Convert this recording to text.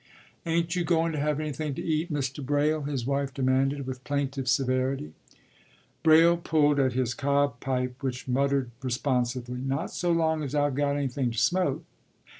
“Ain't you goin' to have anything to eat, Mr. Braile?” his wife demanded, with plaintive severity. Braile pulled at his cob pipe which muttered responsively, “Not so long as I've got anything to smoke.